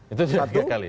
itu sudah tiga kali